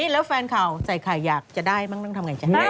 แล้วแฟนข่าวใส่ข่ายหยักจะได้มันต้องทำยังไง